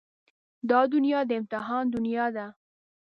دا دنيا د امتحان دنيا ده.